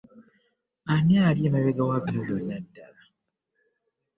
Ani ali emabega wa bino byonna ddala?